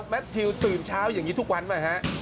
แมททิวตื่นเช้าอย่างนี้ทุกวันป่ะฮะ